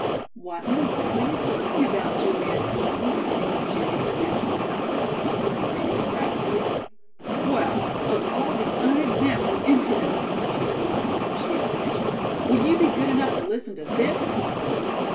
"What in the world are you talking about, Julia Kean?" demanded Judy, snatching the note from her mother and reading it rapidly. "Well, of all the unexampled impudence!" she cried when she had finished. "Will you be good enough to listen to this?